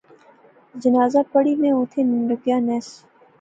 جنازہ پڑھی میں ایتھیں رکیا نہس